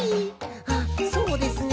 あそうですね。